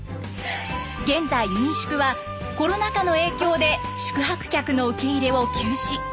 現在民宿はコロナ禍の影響で宿泊客の受け入れを休止。